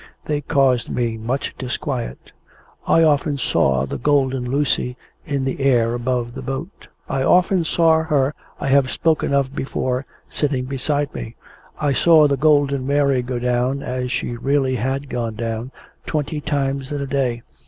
They caused me much disquiet. I often saw the Golden Lucy in the air above the boat. I often saw her I have spoken of before, sitting beside me. I saw the Golden Mary go down, as she really had gone down, twenty times in a day.